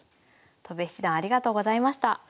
戸辺七段ありがとうございました。